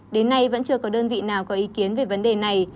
đến nay vẫn chưa có đơn vị nào có ý kiến về vấn đề này